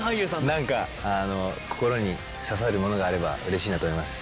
何か心に刺さるものがあればうれしいなと思います。